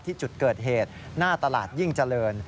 ที่จุดเกิดเหตุหน้าตลาดยิ่งเจริญ